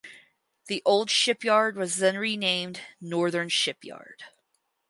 The old shipyard was then renamed (northern shipyard).